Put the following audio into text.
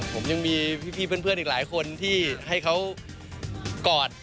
ผมยังมีพี่เพื่อนอีกหลายคนที่ให้เขากอด